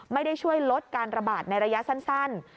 ไม่ได้ช่วยลดการระบาดในระยะสั้น